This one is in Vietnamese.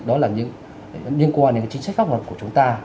đó là những liên quan đến chính sách pháp luật của chúng ta